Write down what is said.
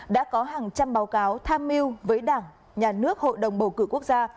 đã có hàng trăm báo cáo tham mưu với đảng nhà nước hội đồng bầu cử quốc gia